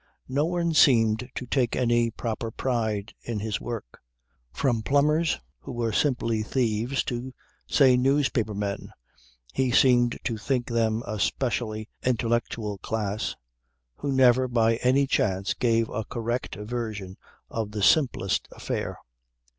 No one seemed to take any proper pride in his work: from plumbers who were simply thieves to, say, newspaper men (he seemed to think them a specially intellectual class) who never by any chance gave a correct version of the simplest affair.